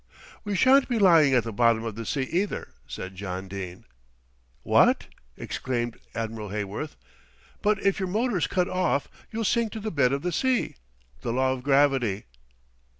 "We shan't be lying at the bottom of the sea, either," said John Dene. "What!" exclaimed Admiral Heyworth, "but if your motor's cut off, you'll sink to the bed of the sea the law of gravity."